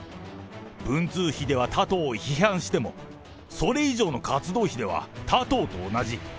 文通費では他党を批判しても、それ以上の活動費では他党と同じ。